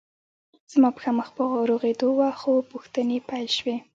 زما پښه مخ په روغېدو وه خو پوښتنې پیل شوې